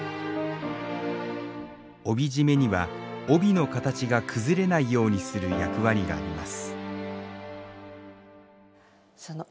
帯締めには帯の形が崩れないようにする役割があります